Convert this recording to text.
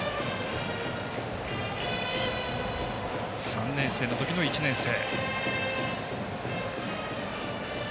３年生の時の１年生。